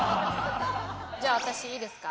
じゃあ私いいですか？